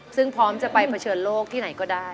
ซึ่งพร้อมจะไปเผชิญโลกที่ไหนก็ได้